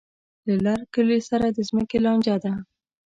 له لر کلي سره د ځمکې لانجه ده.